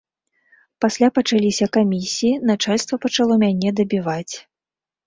Пасля пачаліся камісіі, начальства пачало мяне дабіваць.